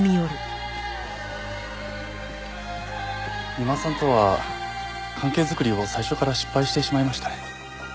三馬さんとは関係作りを最初から失敗してしまいましたね。